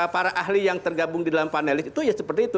para ahli yang tergabung di dalam panelis itu ya seperti itu